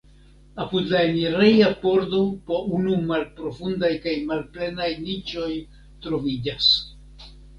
Apud la enireja pordo po unu malprofundaj kaj malplenaj niĉoj troviĝas.